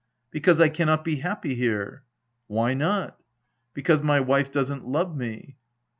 " Because I cannot be happy here," "Why not?" " Because my wife doesn't love me."